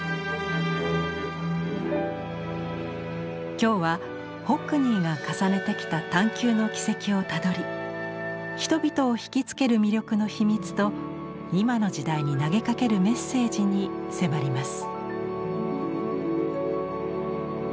今日はホックニーが重ねてきた探求の軌跡をたどり人々をひきつける魅力の秘密と今の時代に投げかけるメッセージに迫ります。